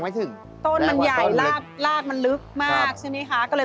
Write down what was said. หนูเข้าใจว่ามันจะแชรงอันเล็ก